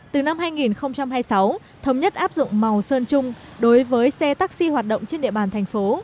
từ năm hai nghìn hai mươi sáu thống nhất áp dụng màu sơn chung đối với xe taxi hoạt động trên địa bàn thành phố